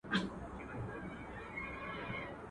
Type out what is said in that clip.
موسیقي او سپورټ خلک متحدوي